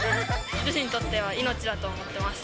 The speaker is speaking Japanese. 女子にとっては命だと思ってます。